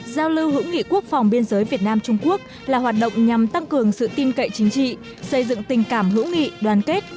giao lưu hữu nghị quốc phòng biên giới việt nam trung quốc là hoạt động nhằm tăng cường sự tin cậy chính trị xây dựng tình cảm hữu nghị đoàn kết